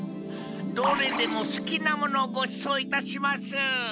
どれでもすきなものをごちそういたします！